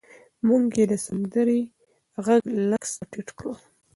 مور یې د سندرې غږ لږ څه ټیټ کړ.